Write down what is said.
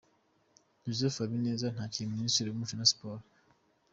Joseph Habineza ntakiri Minisitiri w'Umuco na Siporo.